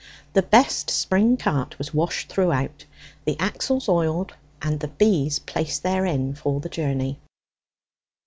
The best spring cart was washed throughout, the axles oiled, and the bees placed therein for the journey.